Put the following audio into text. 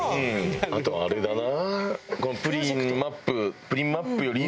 あとあれだな。